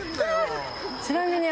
ちなみに。